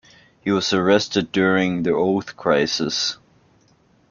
He was arrested during the Oath Crisis.